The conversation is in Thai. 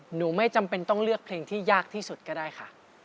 หนูไม่จำเป็นต้องเลือกเพลงที่ยากที่สุดก็ได้ค่ะ